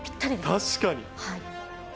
確かに。